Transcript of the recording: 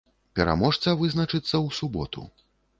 Пераможца вызначыцца ў суботу.